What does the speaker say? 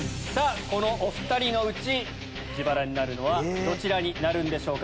このお２人のうち自腹になるのはどちらになるんでしょうか？